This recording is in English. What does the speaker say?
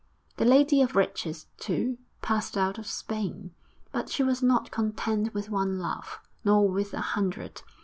The Lady of Riches, too, passed out of Spain. But she was not content with one love, nor with a hundred.